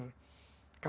saya tidak perlu berpikir